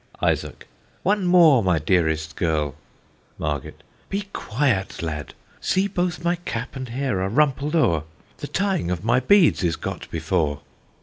ISAAC. One more, my dearest girl MARGET. Be quiet, lad. See both my cap and hair are rumpled o'er! The tying of my beads is got before!